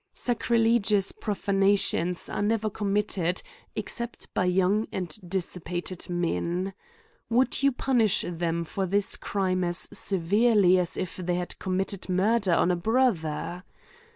Sacrilegious profanations are never committed, except by young and dissipated men : would you punish them for this crime as severely as if they had committed murder on a brother